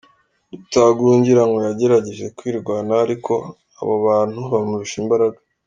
Rutagungira ngo yagerageje kwirwanaho ariko abo bantu bamurusha imbaraga.